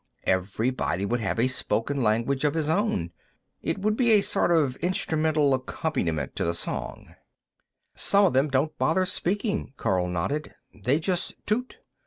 Everybody would have a spoken language of his own; it would be sort of the instrumental accompaniment to the song." "Some of them don't bother speaking," Karl nodded. "They just toot."